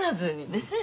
ねえ。